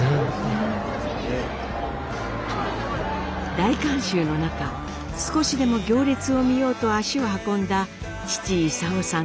大観衆の中少しでも行列を見ようと足を運んだ父勲さんと母晴子さん。